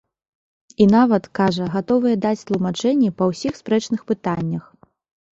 І нават, кажа, гатовыя даць тлумачэнні па ўсіх спрэчных пытаннях.